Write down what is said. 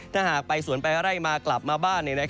ถ้าหากไปสวนไปไล่มากลับมาบ้าน